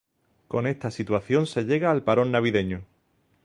Con esta situación se llega al parón navideño.